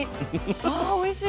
あおいしい！